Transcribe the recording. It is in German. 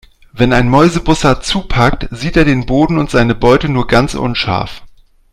Wenn ein Mäusebussard zupackt, sieht er den Boden und seine Beute nur ganz unscharf.